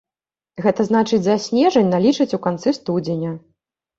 Гэта значыць, за снежань налічаць у канцы студзеня.